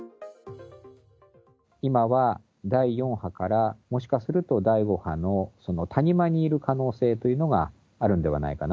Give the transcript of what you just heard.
今は第４波からもしかすると第５波の谷間にいる可能性があるんではないかな。